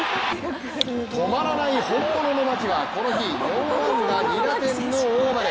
止まらない本物の牧はこの日、４安打２打点の大暴れ。